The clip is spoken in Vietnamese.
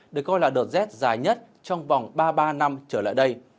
được coi là đợt rét dài nhất trong vòng ba ba năm trở lại đây